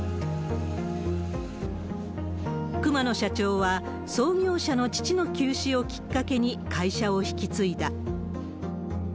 熊野社長は、創業者の父の休止をきっかけに、会社を引き継いだ。